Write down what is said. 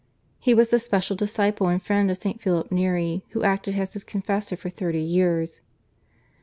He was the special disciple and friend of St. Philip Neri who acted as his confessor for thirty years.